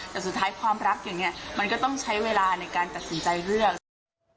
แต่สุดท้ายความรักอย่างนี้มันก็ต้องใช้เวลาในการตัดสินใจเลือก